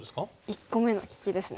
１個目の利きですね。